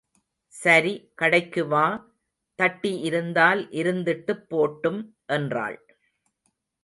சரி கடைக்கு வா... தட்டி இருந்தால் இருந்துட்டுப் போட்டும்... என்றாள்.